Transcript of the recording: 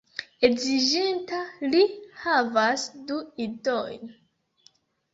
Edziĝinta, li havas du idojn.